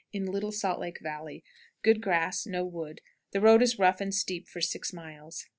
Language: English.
In Little Salt Lake Valley. Good grass; no wood. The road is rough and steep for six miles.